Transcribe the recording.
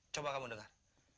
coba kamu dengar